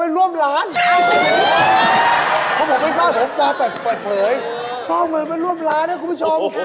พี่ไม่ใช่มนุษย์แม่ข้อก่อนล้างอย่างนี้